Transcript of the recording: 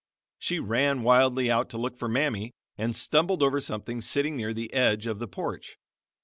She ran wildly out to look for Mammy; and stumbled over something sitting near the edge of the porch.